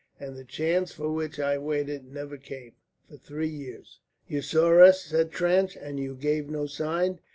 And the chance for which I waited never came for three years." "You saw us?" said Trench. "And you gave no sign?"